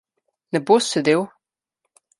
Ne boš sedel?